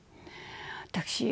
私